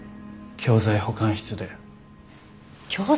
教材保管室？